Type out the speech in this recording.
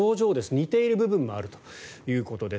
似ている部分もあるということです。